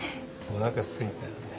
おなかすいたよね。